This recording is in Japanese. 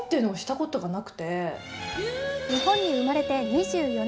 日本に生まれて２４年。